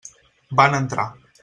Van entrar.